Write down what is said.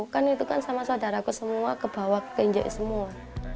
kan itu kan sama saudaraku semua kebawah keinjak semua